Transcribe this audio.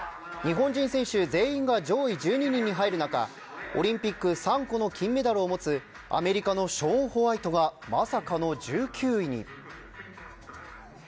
日本人選手全員が上位１０人に入る中オリンピック３個の金メダルを持つアメリカのショーン・ホワイトがまさかの１９位に。